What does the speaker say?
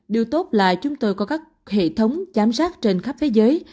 điều tốt là chúng tôi có các hệ thống giám sát trên khắp thế giới